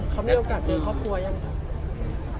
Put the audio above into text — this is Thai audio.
เค้ามีโอกาสเจอครอบครัวไงพี่